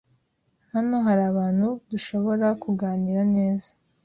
Hano harahantu dushobora kuganira neza.